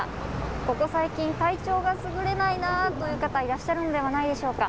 ここ最近、体調がすぐれないなという方、いらっしゃるのではないでしょうか。